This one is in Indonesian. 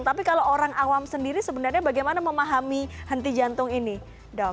tapi kalau orang awam sendiri sebenarnya bagaimana memahami henti jantung ini dok